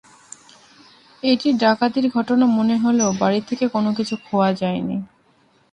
এটি ডাকাতির ঘটনা মনে হলেও বাড়ি থেকে কোনো কিছু খোয়া যায়নি।